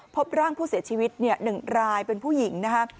พบร่างผู้เสียชีวิต๑รายเป็นผู้หญิงนะคะ